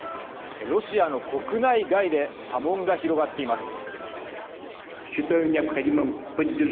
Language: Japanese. ロシアの国内外で波紋が広がっています。